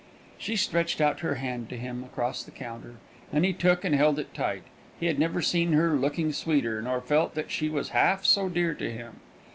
She stretched out her hand to him across the counter, and he took and held it tight; he had never seen her looking sweeter, nor felt that she was half so dear to him.